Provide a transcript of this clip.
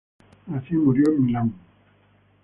Nació y murió en Milán.